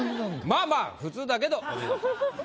まあまあ普通だけどお見事。